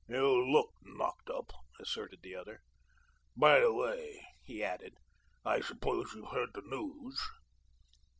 "You LOOK knocked up," asserted the other. "By the way," he added, "I suppose you've heard the news?"